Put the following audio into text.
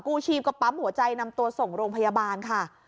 กู้ชีพก็ปั๊ปหัวใจนำตัวส่งโรงพยาบาลนะครับ